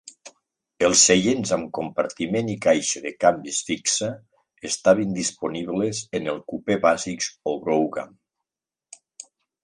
Els seients amb compartiment i caixa de canvis fixa estaven disponibles en els cupè bàsics o Brougham.